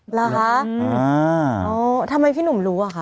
หรือคะอ๋อทำไมพี่หนุ่มรู้อะคะ